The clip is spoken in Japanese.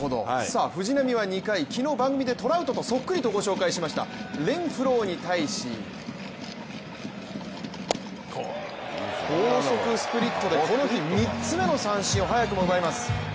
藤浪は２回、昨日番組でトラウトとそっくりだと紹介したレンフローに対し高速スプリットでこの日３つ目の三振を早くも奪います。